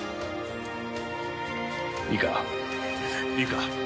いいかいいか？